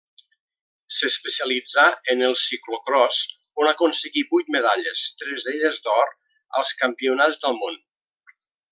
S'especialitzà en el ciclocròs on aconseguí vuit medalles, tres d'elles d'or, als Campionats del món.